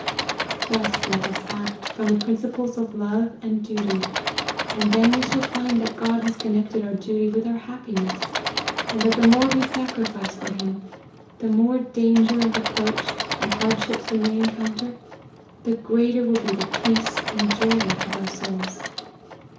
Thus let us act from the principles of love and duty, and then we shall find that God has connect ed our duty with our happiness, and that the more we sacrifice for him the more* danger and re proach, and hardships we may encounter, the greater will be the peace and joy of our souls.